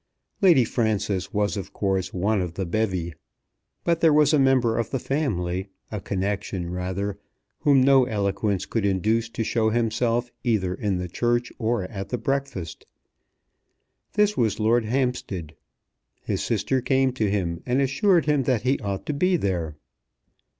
Lady Frances was of course one of the bevy. But there was a member of the family, a connection rather, whom no eloquence could induce to show himself either in the church or at the breakfast. This was Lord Hampstead. His sister came to him and assured him that he ought to be there.